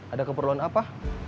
ada keperluan apa